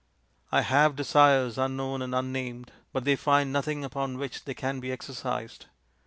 I have desires unknown and unnamed, but they find nothing upon which they can be exercised.